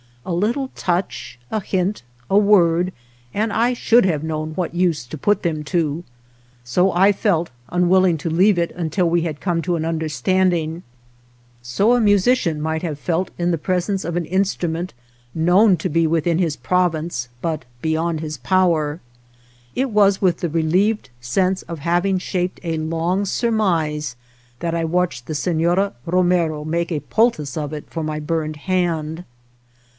A little touch, a hint, a word, and I should have known what use to put them to. So I felt, unwilling to leave it until we had come to an understanding. So a mu 234 OTHER WATER BORDERS sician might have felt in the presence of an instrument known to be within his pro vince, but beyond his power. It was with the relieved sense of having shaped a long surmise that I watched the Sefiora Ro mero make a poultice of it for my burned hand.